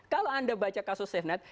kalau anda baca kasus safenet